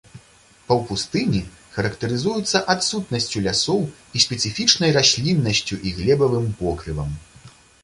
Паўпустыні характарызуюцца адсутнасцю лясоў і спецыфічнай расліннасцю і глебавым покрывам.